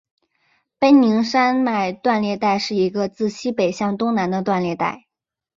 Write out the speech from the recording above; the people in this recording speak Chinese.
奔宁山脉断裂带是一个自西北向东南的断裂带。